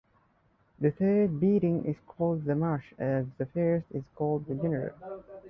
The third beating is called the march, as the first is called the general.